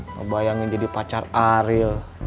ngebayangin jadi pacar aril